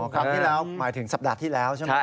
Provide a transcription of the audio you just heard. ครั้งที่แล้วหมายถึงสัปดาห์ที่แล้วใช่ไหม